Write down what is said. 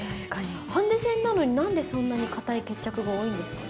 ハンデ戦なのに何でそんなに堅い決着が多いんですか？